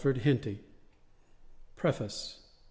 Henty PREFACE.